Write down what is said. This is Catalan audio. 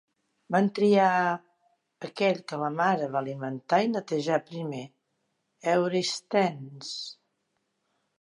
Van triar aquell que la mare va alimentar i netejar primer, Eurysthenes.